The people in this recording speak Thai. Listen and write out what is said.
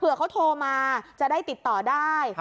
เพื่อเขาโทรมาจะได้ติดต่อได้